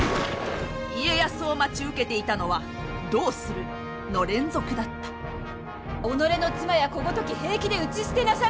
家康を待ち受けていたのは「どうする」の連続だった己の妻や子ごとき平気で打ち捨てなされ！